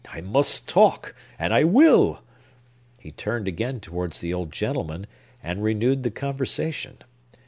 I must talk, and I will!" He turned again towards the old gentleman, and renewed the conversation.